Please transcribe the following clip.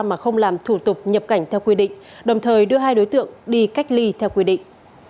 mà không làm thủ tục nhập cảnh theo quy định đồng thời đưa hai đối tượng đi cách ly theo quy định